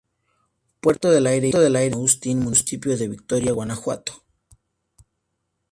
Puerto del Aire y San Agustín, municipio de Victoria, Guanajuato.